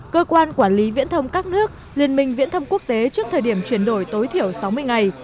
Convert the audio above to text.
cơ quan quản lý viễn thông các nước liên minh viễn thông quốc tế trước thời điểm chuyển đổi tối thiểu sáu mươi ngày